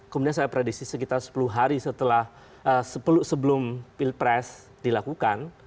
kemudian saya prediksi sekitar sepuluh hari setelah sepuluh sebelum pilpres dilakukan